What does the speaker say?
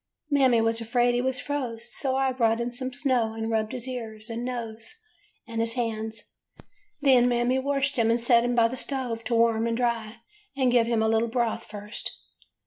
"Mammy was afraid he was froze, so I brought in some snow and rubbed his ears, and nose, and his hands. Then Mammy washed him and set him by the stove to warm and dry, and give him a little broth first.